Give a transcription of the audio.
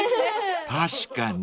［確かに］